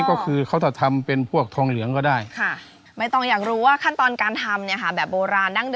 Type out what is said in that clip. เทคนิคการทำก็เป็นแบบโบราณ